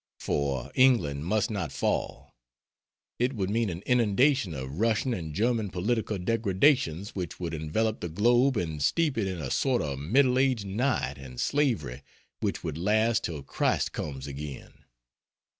For England must not fall; it would mean an inundation of Russian and German political degradations which would envelop the globe and steep it in a sort of Middle Age night and slavery which would last till Christ comes again.